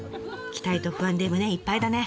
期待と不安で胸いっぱいだね。